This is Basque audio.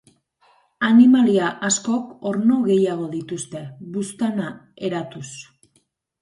Animalia askok orno gehiago dituzte, buztana eratuz.